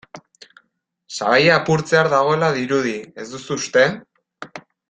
Sabaia apurtzear dagoela dirudi, ez duzu uste?